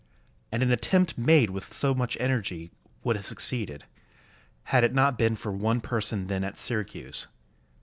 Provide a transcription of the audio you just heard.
And an attempt made with so much energy would have succeeded, had it not been for one person then at Syracuse.